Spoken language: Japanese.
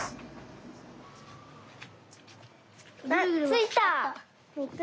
ついた！